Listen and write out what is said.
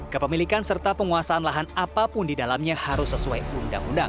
kepemilikan serta penguasaan lahan apapun di dalamnya harus sesuai undang undang